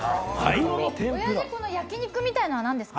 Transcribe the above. この焼き肉みたいなのは何ですか。